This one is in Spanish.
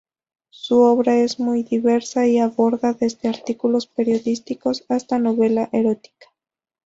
Su obra es muy diversa y aborda desde artículos periodísticos hasta novela erótica.